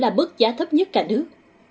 và bức giá thấp nhất cả nước